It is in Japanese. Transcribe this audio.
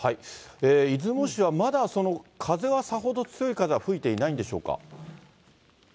出雲市はまだ、風はさほど、強い風は吹いていないんでしょうか。